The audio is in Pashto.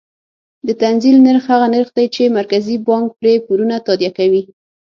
د تنزیل نرخ هغه نرخ دی چې مرکزي بانک پرې پورونه تادیه کوي.